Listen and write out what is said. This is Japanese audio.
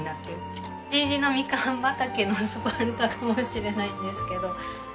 じぃじのみかん畑のスパルタかもしれないんですけど。